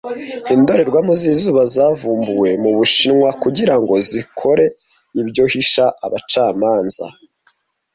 Indorerwamo zizuba zavumbuwe mubushinwa kugirango zikore ibyo Hisha Abacamanza